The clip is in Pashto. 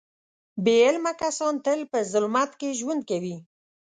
بې علمه کسان تل په ظلمت کې ژوند کوي.